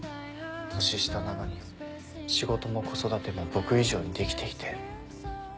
年下なのに仕事も子育ても僕以上にできていて。